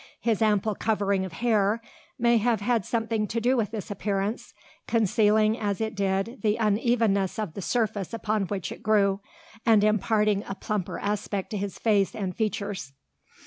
His ample covering of hair may have had something to do with this appearance, concealing as it did the unevenness of the surface upon which it grew, and imparting a plumper aspect to his face and features.